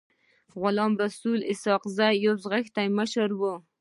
غلام رسول خان اسحق زی يو غښتلی مشر و.